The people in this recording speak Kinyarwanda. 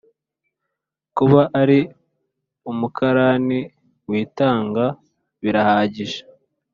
kuba ari umukarani witanga birahagije.